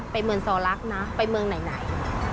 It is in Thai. ไปเมืองซอลักษณ์นะไปเมืองไหน